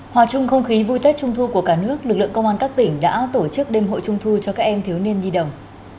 hòa chung không khí vui tết trung thu của cả nước lực lượng công an các tỉnh đã tổ chức đêm hội trung thu cho các em thiếu niên nhi đồng